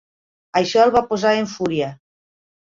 Això el va posar en fúria.